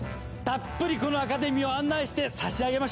たっぷりこのアカデミーを案内してさしあげましょう！